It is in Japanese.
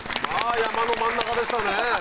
山の真ん中でしたね